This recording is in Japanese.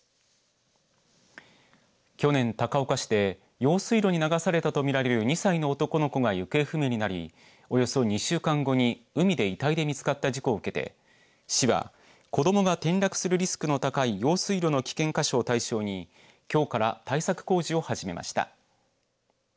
去年、高岡市で用水路に流されたと見られる２歳の男の子が行方不明になりおよそ２週間後に海で遺体で見つかった事故を受けて市は子どもが転落するリスクの高い用水路の危険箇所を対象にきょうから対策工事を始めました。